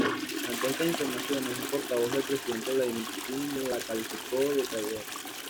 Ante estas informaciones, un portavoz del Presidente Vladímir Putin la calificó de "traidora".